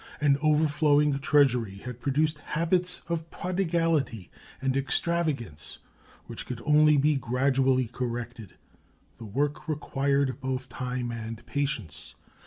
An overflowing Treasury had produced habits of prodigality and extravagance which could only be gradually corrected. The work required both time and patience.